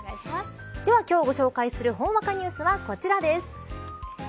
では今日ご紹介するほんわかニュースはこちらです。